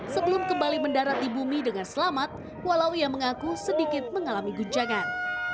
sebelum kembali mendarat di bumi dengan selamat walau ia mengaku sedikit mengalami guncangan